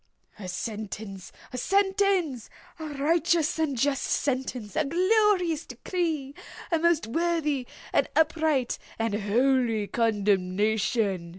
"A sentence!—a sentence!—a righteous and just sentence!—a glorious decree!—a most worthy and upright, and holy condemnation!"